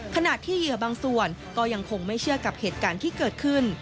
ขณะที่เหยื่อบางส่วนก็ยังคงไม่เชื่อกับเหตุการณ์ที่เกิดขึ้น